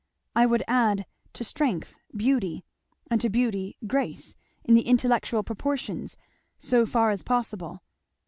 I would add to strength beauty, and to beauty grace, in the intellectual proportions, so far as possible.